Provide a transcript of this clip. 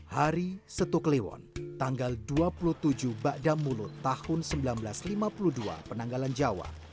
hari setuk lewon tanggal dua puluh tujuh bagdamulut tahun seribu sembilan ratus lima puluh dua penanggalan jawa